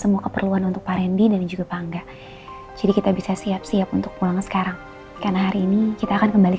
makasih ya mbak